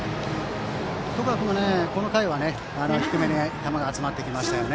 十川君は、この回は低めに球が集まってきましたよね。